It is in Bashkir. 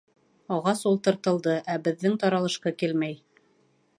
Ағас ултыртылды, ә беҙҙең таралышҡы килмәй.